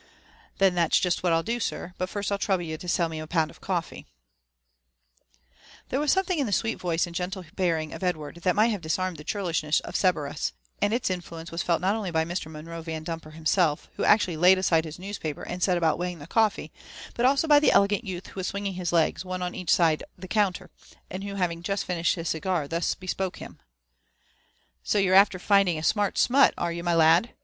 " Then that's jest what I'll do, sir; but fimt I'U trouMe you to sell me a pound of coffee." JONATHAN JEFFERSON WHITtAW. 01 There wm gomething in (be sweet voice and gentle bearing of Ed ward (hat might have disarmed the churlishness of Cerberus; and its influence was felt not only by Mr. Monroe Vandumper faiingelf, who actually laid aside his newspaper and set about weighing the eaffee, but also by the elegant youth who was swinging his legs, one on each side the counter, and who having just finished his cigar, thus bespoke him: '' So you're after finding a smart smut — are you, my lad